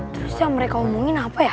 terus yang mereka omongin apa ya